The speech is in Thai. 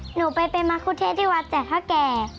หนูไปเป็นมาคุเทศที่วัดจากเท่าแก่